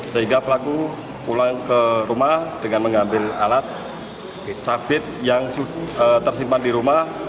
sehingga pelaku pulang ke rumah dengan mengambil alat sabit yang tersimpan di rumah